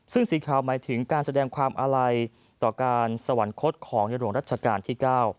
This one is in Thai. ซึ่งสีขาวหมายถึงการแสดงความอาลัยต่อการสวรรคตของในหลวงรัชกาลที่๙